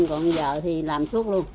còn bây giờ thì làm suốt luôn